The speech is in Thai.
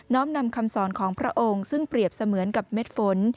้อมนำคำสอนของพระองค์ซึ่งเปรียบเสมือนกับเม็ดฝน